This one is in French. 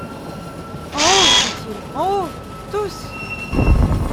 En haut, dit-il, en haut !… tous !